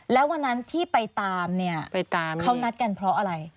แล้ววันนั้นที่ไปตามเนี่ยเขานัดกันเพราะอะไร